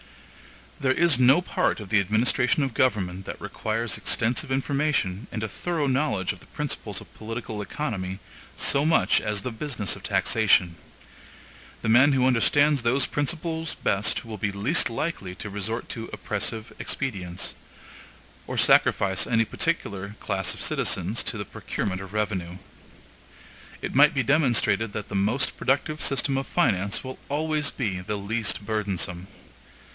There is no part of the administration of government that requires extensive information and a thorough knowledge of the principles of political economy, so much as the business of taxation. The man who understands those principles best will be least likely to resort to oppressive expedients, or sacrifice any particular class of citizens to the procurement of revenue. It might be demonstrated that the most productive system of finance will always be the least burdensome.